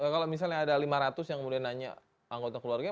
kalau misalnya ada lima ratus yang kemudian nanya anggota keluarga